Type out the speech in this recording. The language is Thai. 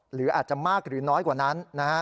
หรืออาจจะมากหรือน้อยกว่านั้น